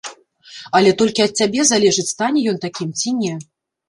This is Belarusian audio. Але толькі ад цябе залежыць, стане ён такім ці не.